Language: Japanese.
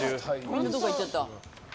みんなどっか行っちゃった。